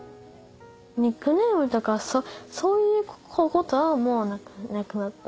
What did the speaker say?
ニックネームとかそういうことはもうなくなった。